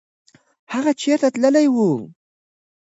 هغه چېرته تللی و؟